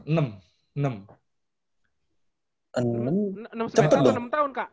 enam semester apa enam tahun kak